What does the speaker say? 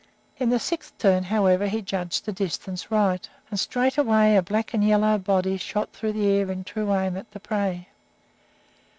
In the sixth turn, however, he judged the distance right, and straightway a black and yellow body shot through the air in true aim at the prey.